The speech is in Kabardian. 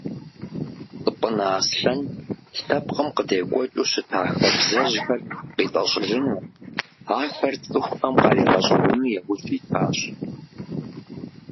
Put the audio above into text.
Цӏыпӏынэ Аслъэн лъэпкъым къыдекӏуэкӏыу щыта хабзэжьхэр къитӏэщӏыжыну, ахэр цӏыхухэм къаригъэщӏэжыну яужь итащ.